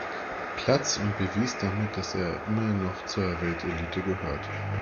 Platz und bewies damit, dass er immer noch zur Weltelite gehört.